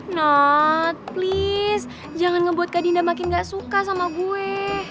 naaat please jangan ngebuat kak dinda makin gak suka sama gue